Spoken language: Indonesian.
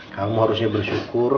kamu harusnya bersyukur